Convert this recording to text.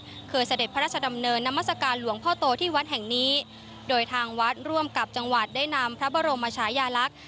เคยเสด็จพระราชดำเนินนามัศกาลหลวงพ่อโตที่วัดแห่งนี้โดยทางวัดร่วมกับจังหวัดได้นำพระบรมชายาลักษณ์